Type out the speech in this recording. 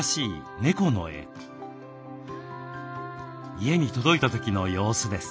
家に届いた時の様子です。